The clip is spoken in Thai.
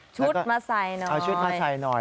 มาใส่หน่อยเอาชุดมาใส่หน่อย